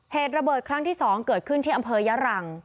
เหตุระเบิดครั้งที่๒เกิดขึ้นที่อำเภอยะรัง